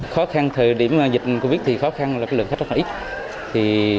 khó khăn thời điểm dịch covid một mươi chín thì khó khăn là lượng khách rất là ít